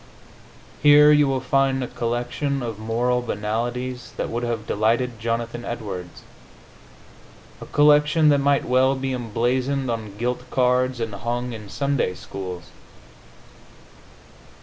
Here you will find a collection of moral banalities that would have delighted Jonathan Edwards a collection that might well be emblazoned on gilt cards and hung in Sunday schools.